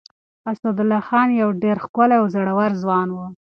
اسدالله خان يو ډېر ښکلی او زړور ځوان و.